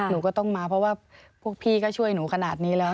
หนูก็ต้องมาเพราะว่าพวกพี่ก็ช่วยหนูขนาดนี้แล้ว